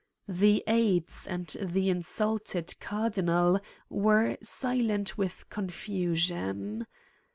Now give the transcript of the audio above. The aides and the insulted Cardinal were silent with confusion.